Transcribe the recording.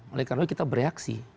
oleh karena kita bereaksi